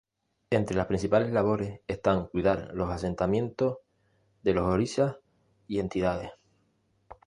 Entre las principales labores están cuidar los asentamientos de los orishas y entidades.